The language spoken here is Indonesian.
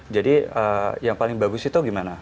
jadi yang paling bagus itu gimana